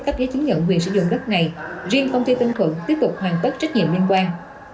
cấp giấy chứng nhận quyền sử dụng đất này riêng công ty tân thuận tiếp tục hoàn tất trách nhiệm liên quan